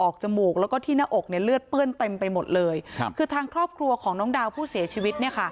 คือทางครอบครัวน์ของน้องดาวผู้เสียชีวิต